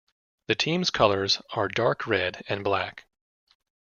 The team's colors are dark-red and black.